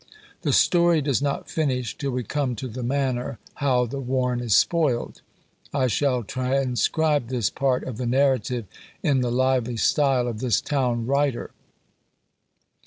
The story does not finish till we come to the manner "How the warren is spoiled." I shall transcribe this part of the narrative in the lively style of this town writer.